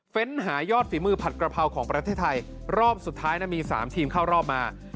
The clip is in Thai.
หายอดฝีมือผัดกระเพราของประเทศไทยรอบสุดท้ายมี๓ทีมเข้ารอบมา